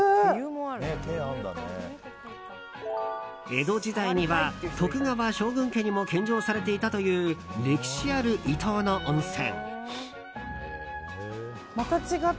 江戸時代には徳川将軍家にも献上されていたという歴史ある伊東の温泉。